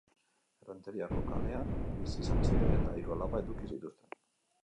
Errenteriako kalean bizi izan ziren, eta hiru alaba eduki zituzten.